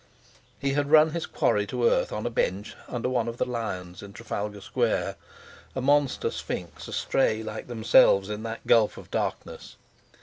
He had run his quarry to earth on a bench under one of the lions in Trafalgar Square, a monster sphynx astray like themselves in that gulf of darkness.